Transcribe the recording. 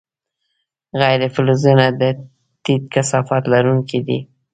غیر فلزونه د ټیټ کثافت لرونکي دي.